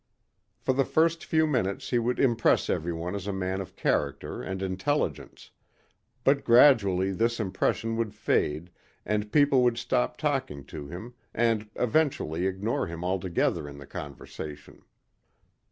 For the first few minutes he would impress everyone as a man of character and intelligence. But gradually this impression would fade and people would stop talking to him and eventually ignore him altogether in the conversation.